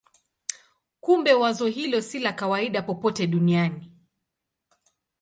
Kumbe wazo hilo si la kawaida popote duniani.